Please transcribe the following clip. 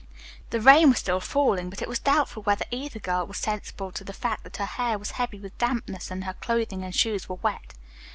The rain was still falling, but it was doubtful whether either girl was sensible to the fact that her hair was heavy with dampness and her clothing and shoes were wet.